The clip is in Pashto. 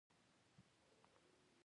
عروضي نظمونه لکه قطعه، رباعي، غزل او نور.